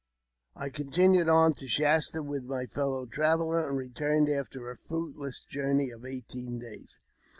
I continued on to Shasta with my fellow traveller, and returned after a fruitless journey of eighteen days.